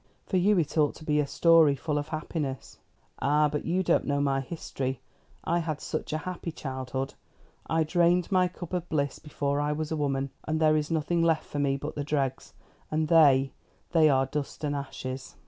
"For you it ought to be a story full of happiness." "Ah, but you don't know my history. I had such a happy childhood. I drained my cup of bliss before I was a woman, and there is nothing left for me but the dregs, and they they are dust and ashes."